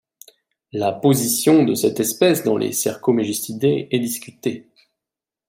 La position de cette espèce dans les Cercomegistidae est discutée.